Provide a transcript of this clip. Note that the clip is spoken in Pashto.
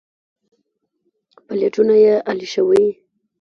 پلېټونه يې الېشوي.